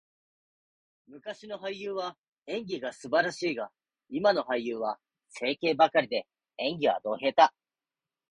昔の俳優は演技が素晴らしいが、今の俳優は整形ばかりで、演技はド下手。